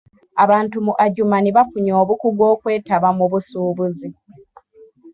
Abantu mu Adjumani bafunye obukugu okweetaba mu busuubuzi.